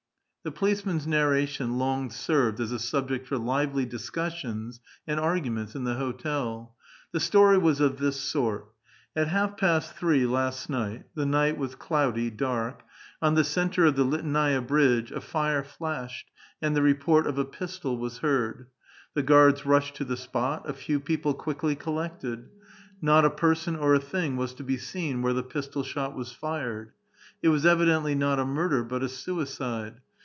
The policeman's narration long served as a subject for lively discussion^ and arguments in the hotel. The story was of this sort :— At half past three last night, — the night was cloudy, dark, — on the centre of the Liteinai'a bridge a fire flashed, and the report of a pistol was heard. The guards rushed to the spot, a few people quickly collected ; not a person or a thing was to be seen where the pistol shot was fired. It was evidentlv not a murder, but a suicide.